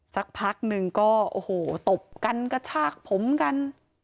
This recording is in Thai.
สักพักนึงก็ตบกันกระชากผมกัน